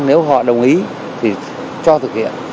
nếu họ đồng ý thì cho thực hiện